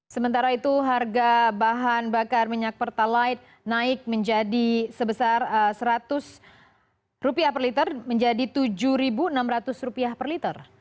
sementara itu harga bahan bakar minyak pertalite naik menjadi sebesar rp seratus per liter menjadi rp tujuh enam ratus per liter